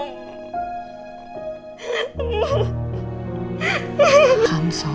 mak paham sob